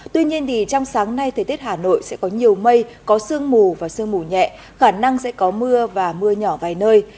tuy nhiên trong sáng nay thời tiết hà nội sẽ có nhiều mây có sương mù và sương mù nhẹ khả năng sẽ có mưa và mưa nhỏ vài nơi